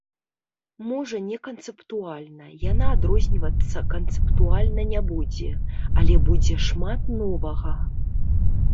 Можа, не канцэптуальна, яна адрознівацца канцэптуальна не будзе, але будзе шмат новага.